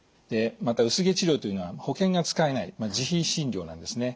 また薄毛治療というのは保険が使えない自費診療なんですね。